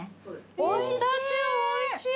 おいしい！